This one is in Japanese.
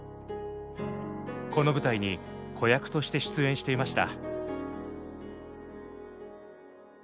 この舞台に子役として出演していました。